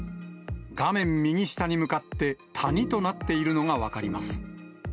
画面右下に向かって、谷となっているのが分かります。